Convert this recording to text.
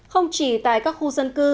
không chỉ tại các khu dân cư